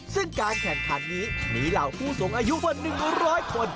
ซึ่งการแข่งขันนี้มีเหล่าผู้สูงอายุกว่า๑๐๐คน